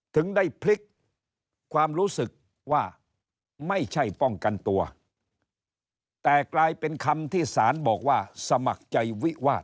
ถึงได้พลิกความรู้สึกว่าไม่ใช่ป้องกันตัวแต่กลายเป็นคำที่ศาลบอกว่าสมัครใจวิวาส